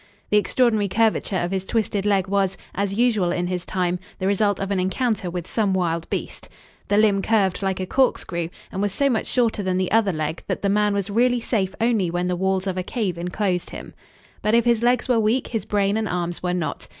The extraordinary curvature of his twisted leg was, as usual in his time, the result of an encounter with some wild beast. The limb curved like a corkscrew and was so much shorter than the other leg that the man was really safe only when the walls of a cave enclosed him. But if his legs were weak his brain and arms were not.